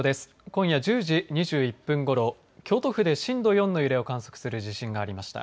今夜１０時２１分ごろ京都府で震度４の揺れを観測する地震がありました。